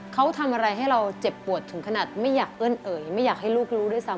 เขาทำอะไรให้เราเจ็บปวดถึงขนาดไม่อยากเอิ้นเอ่ยไม่อยากให้ลูกรู้ด้วยซ้ำ